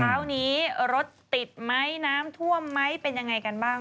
เช้านี้รถติดไหมน้ำท่วมไหมเป็นยังไงกันบ้าง